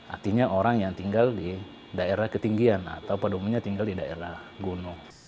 artinya orang yang tinggal di daerah ketinggian atau pada umumnya tinggal di daerah gunung